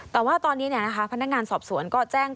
แต่ว่าตอนนี้พนักงานสอบสวนก็แจ้ง